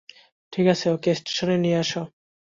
ঠিক আছে, ওকে স্টেশনে নিয়ে আসো।